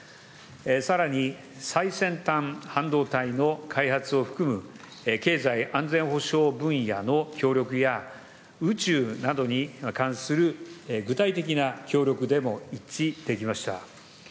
さらに最先端半導体の開発を含む経済安全保障分野の協力や、宇宙などに関する具体的な協力でも一致できました。